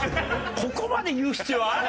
ここまで言う必要ある？